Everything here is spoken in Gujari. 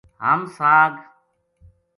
ہم ساگ